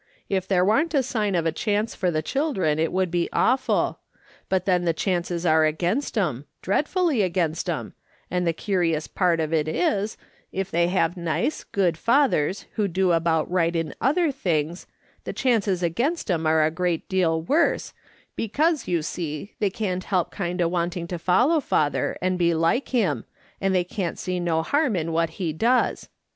If there warn't a sign of a chance for the children it would be awful ; but then the chances are against 'em, dreadfully against 'em, and the curious part of it is, if they have nice, good fathers who do about right in other things, the chances against 'em are a great deal worse, because you see they can't help kind o' wanting to follow father and be like him, and they can't see no harm in what he does.